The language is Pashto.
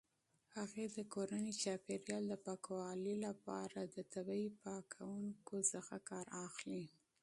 هغې د کورني چاپیریال د پاکوالي لپاره د طبیعي پاکونکو څخه کار اخلي.